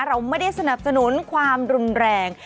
เราไม่ได้สนับสนุนความรุนแรง